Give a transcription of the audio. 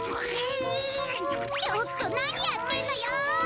ちょっとなにやってんのよ！